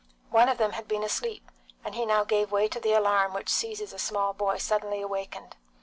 One of them had been asleep, and he now gave way to the alarm which seizes a small boy suddenly awakened.